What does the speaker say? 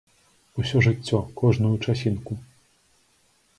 Усё жыццё, кожную часінку.